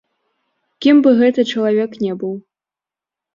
Кім бы гэты чалавек не быў.